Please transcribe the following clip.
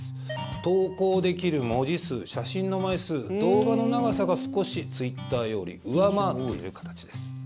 投稿できる文字数写真の枚数、動画の長さが少しツイッターより上回っている形です。